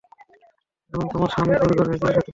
এবং তোমার স্বামীর পরিবারের চির শত্রু।